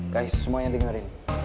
guys semuanya dengerin